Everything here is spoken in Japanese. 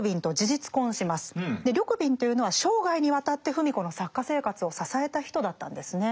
緑敏というのは生涯にわたって芙美子の作家生活を支えた人だったんですね。